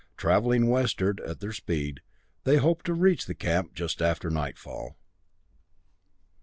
Travelling westward at their speed, they hoped to reach the camp just after nightfall.